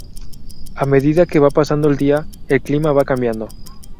A medida que va pasando el día, el clima va cambiando.